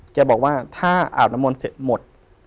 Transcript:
แกบอกว่าถ้าอาบน้ำมนต์เสร็จหมด